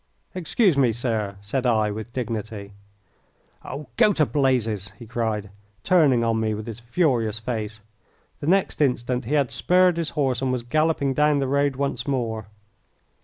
"Excuse me, sir!" said I, with dignity. "Oh, go to blazes!" he cried, turning on me with his furious face. The next instant he had spurred his horse and was galloping down the road once more.